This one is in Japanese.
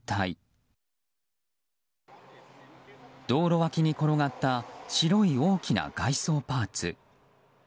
道路脇に転がった白い大きな外装パーツ。